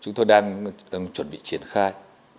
chúng tôi đang chuẩn bị triển khai